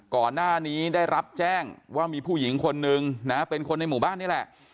ก่อนหน้านี้ได้รับแจ้งว่ามีผู้หญิงคนนึงนะเป็นคนในหมู่บ้านนี่แหละ